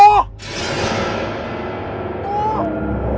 ปู